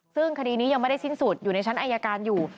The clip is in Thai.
ซึ่งคดีนี้ยังไม่ได้สิ้นสุดอยู่ในชั้นอายการอยู่